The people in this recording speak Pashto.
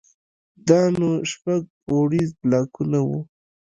دا نو شپږ پوړيز بلاکونه وو.